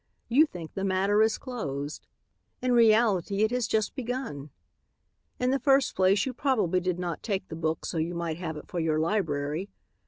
You think the matter is closed. In reality it has just begun. "In the first place, you probably did not take the book so you might have it for your library.